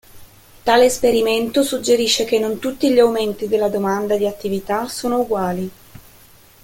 Tale esperimento suggerisce che non tutti gli aumenti della domanda di attività sono uguali.